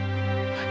はい。